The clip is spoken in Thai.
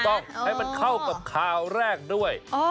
ต้องให้มันเข้ากับข่าวแรกด้วย